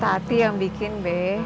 tati yang bikin be